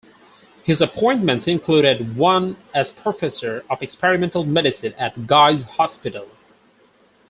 His appointments included one as Professor of Experimental Medicine at Guy's Hospital.